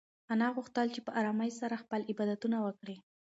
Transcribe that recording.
انا غوښتل چې په ارامۍ سره خپل عبادتونه وکړي.